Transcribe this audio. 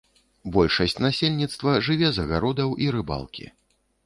Большасць насельніцтва жыве з агародаў і рыбалкі.